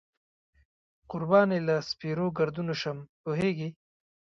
قربان یې له سپېرو ګردونو شم، پوهېږې.